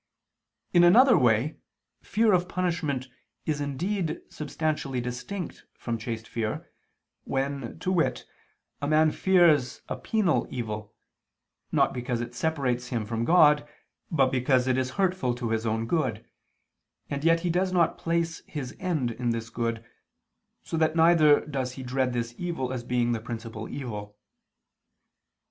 In another way fear of punishment is indeed substantially distinct from chaste fear, when, to wit, a man fears a penal evil, not because it separates him from God, but because it is hurtful to his own good, and yet he does not place his end in this good, so that neither does he dread this evil as being the principal evil.